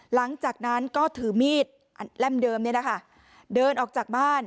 หลังจากนั้นก็ถือมีดแร่มเดิมเดินออกจากบ้าน